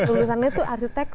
lulusannya tuh arsitek